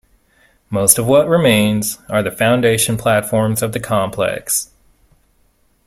Most of what remains are the foundation platforms of the complex.